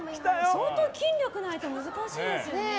相当、筋力がないと難しいですよね。